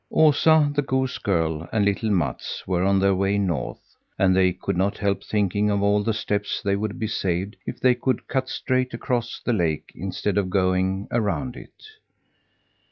Osa, the goose girl, and little Mats were on their way North, and they could not help thinking of all the steps they would be saved if they could cut straight across the lake instead of going around it.